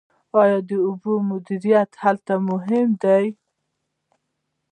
آیا د اوبو مدیریت هلته مهم نه دی؟